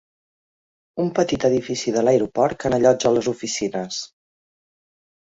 Un petit edifici de l'aeroport que n'allotja les oficines.